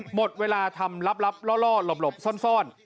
หมดเวลาทำลับล่อหลบซ่อน